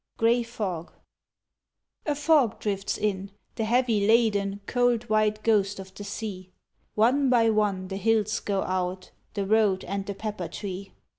Gray Fog A fog drifts in, the heavy laden Cold white ghost of the sea One by one the hills go out, The road and the pepper tree.